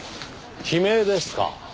悲鳴ですか？